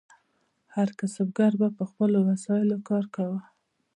هر کسبګر به په خپلو وسایلو کار کاوه.